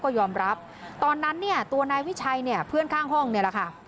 ก็ยอมรับตอนนั้นตัวนายวิชัยเพื่อนข้างห้องนี่แหละค่ะ